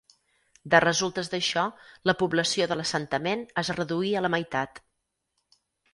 De resultes d'això la població de l'assentament es reduí a la meitat.